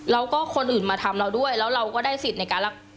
แล้วก็คนอื่นมาทำเราด้วยแล้วเราก็ได้สิทธิ์ในการรัก